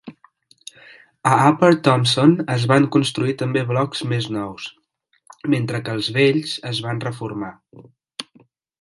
A Upper Thomson es van construir també blocs més nous, mentre que els vells es van reformar.